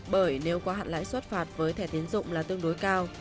bởi nếu quá hạn lãi suất phạt với thẻ tiến dụng là tương đối cao